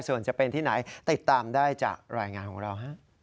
ส่วนจะเป็นที่ไหนติดตามได้จากรายงานของเรา